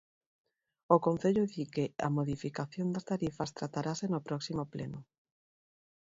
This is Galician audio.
O concello di que a modificación das tarifas tratarase no próximo pleno.